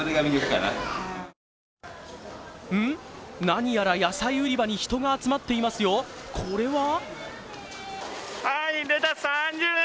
何やら野菜売り場に人が集まっていますよ、これは？